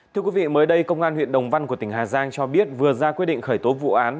thưa quý vị mới đây công an huyện đồng văn của tỉnh hà giang cho biết vừa ra quyết định khởi tố vụ án